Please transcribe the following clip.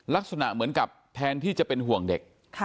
ลักษณะเหมือนกับแทนที่จะเป็นห่วงเด็ก